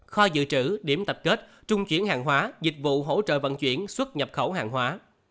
kho dự trữ điểm tập kết trung chuyển hàng hóa dịch vụ hỗ trợ vận chuyển xuất nhập khẩu hàng hóa